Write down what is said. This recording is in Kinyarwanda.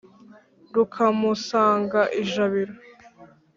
rukamusanga ijabiro.